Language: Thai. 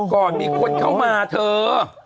ก่อนมีคนเข้ามาเธอ